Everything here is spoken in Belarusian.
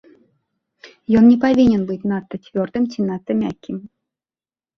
Ён не павінен быць надта цвёрдым ці надта мяккім.